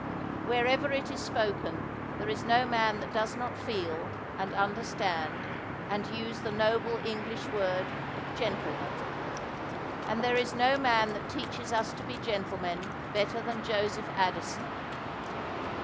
Wherever it is spoken, there is no man that does not feel, and understand, and use the noble English word "gentleman." And there is no man that teaches us to be gentlemen better than Joseph Addison.